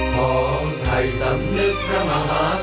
พร้อมไทยสำนึกพระมหากรุณาที่คุณ